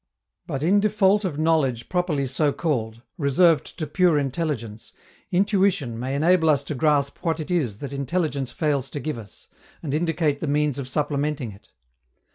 But, in default of knowledge properly so called, reserved to pure intelligence, intuition may enable us to grasp what it is that intelligence fails to give us, and indicate the means of supplementing it.